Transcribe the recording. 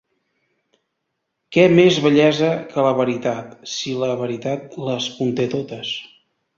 Què més bellesa que la veritat, si la veritat les conté totes?